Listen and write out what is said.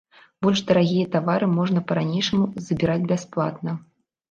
Больш дарагія тавары можна па-ранейшаму забіраць бясплатна.